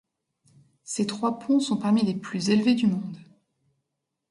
Ces trois ponts sont parmi les plus élevés du monde.